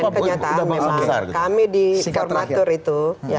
kenyataan memang kami di formatur itu